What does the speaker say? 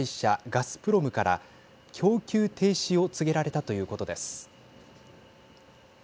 ガスプロムから供給停止を告げられたということです。